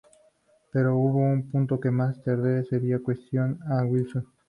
Pero hubo un punto que más tarde sería cuestionado a Wilson.